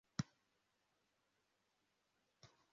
Umugore ukubura kaburimbo hanze yububiko bwe